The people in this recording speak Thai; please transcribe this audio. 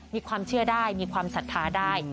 มีความเชื่อได้มีความศรัทธาได้